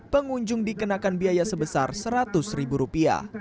pengunjung dikenakan biaya sebesar rp seratus